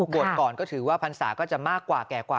บวชก่อนก็ถือว่าพรรษาก็จะมากกว่าแก่กว่า